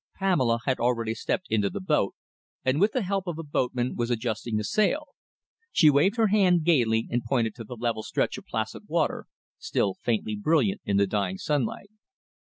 Pamela had already stepped into the boat, and with the help of a boatman was adjusting the sail. She waved her hand gaily and pointed to the level stretch of placid water, still faintly brilliant in the dying sunlight.